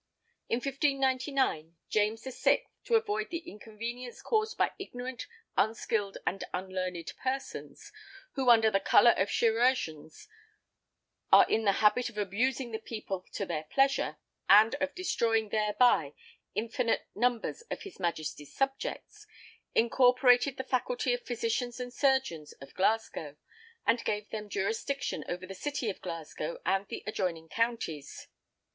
In 1599, James VI., "to avoid the inconvenience caused by ignorant, unskilled, and unlearned persons, who, under the colour of chirurgeons, are in the habit of abusing the people to their pleasure, and of destroying thereby infinite numbers of his Majesty's subjects," incorporated the faculty of Physicians and Surgeons of Glasgow; and gave them jurisdiction over the City of Glasgow and the adjoining counties.